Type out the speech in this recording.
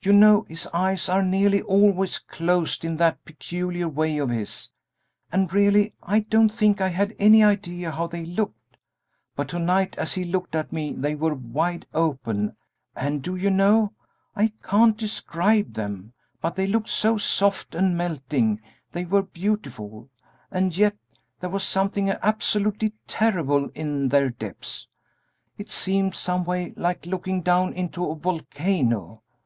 You know his eyes are nearly always closed in that peculiar way of his, and really I don't think I had any idea how they looked; but to night as he looked at me they were wide open; and, do you know, I can't describe them, but they looked so soft and melting they were beautiful, and yet there was something absolutely terrible in their depths. It seemed some way like looking down into a volcano!